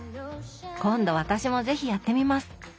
今度私も是非やってみます！